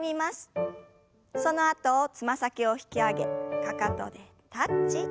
そのあとつま先を引き上げかかとでタッチ。